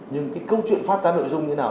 nhưng cái câu chuyện phát tán nội dung như thế nào